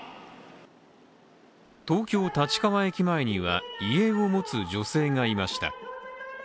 東京・立川駅前には遺影を持つ女性がいました。